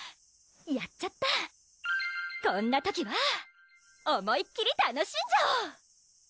やっちゃったこんな時は思いっきり楽しんじゃお！